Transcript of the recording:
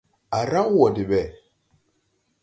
Á raw wɔ de ɓɛ.